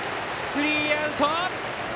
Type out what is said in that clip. スリーアウト！